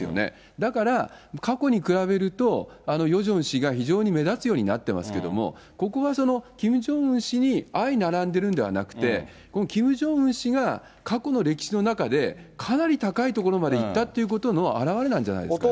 だから、過去に比べるとヨジョン氏が非常に目立つようになってますけども、ここはキム・ジョンウン氏に相並んでいるんではなくて、キム・ジョンウン氏が過去の歴史の中でかなり高い所までいったっていうことの表れなんじゃないですかね？